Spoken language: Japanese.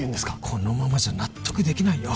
このままじゃ納得できないよ